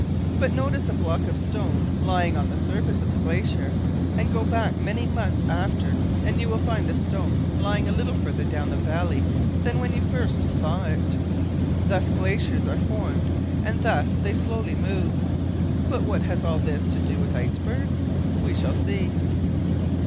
But notice a block of stone lying on the surface of the glacier, and go back many months after and you will find the stone lying a little further down the valley than when you first saw it. Thus glaciers are formed and thus they slowly move. But what has all this to do with ice bergs? We shall see.